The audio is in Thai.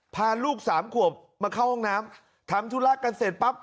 พาลูกสามขวบมาเข้าห้องน้ำทำธุระกันเสร็จปั๊บ